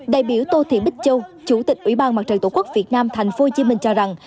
đại biểu tô thị bích châu chủ tịch ủy ban mặt trận tổ quốc việt nam tp hcm cho rằng